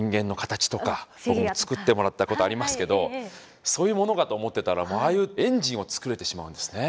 僕も作ってもらったことありますけどそういうものかと思ってたらああいうエンジンを作れてしまうんですね。